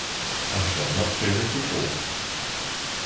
I shall not feel it at all.